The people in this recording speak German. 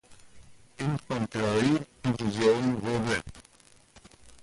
Infanterie-Division wurde.